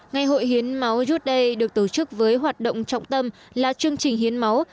ngày hội hiến máu youth day được tổ chức với hoạt động trọng tâm là chương trình hiến máu